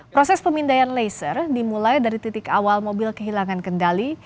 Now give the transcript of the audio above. proses pemindaian laser dimulai dari titik awal mobil kehilangan kendali